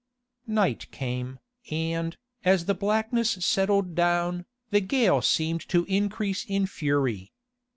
Night came, and, as the blackness settled down, the gale seemed to increase in fury.